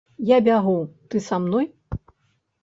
Я бягу, ты са мной?